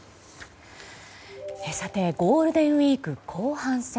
さてゴールデンウィーク後半戦。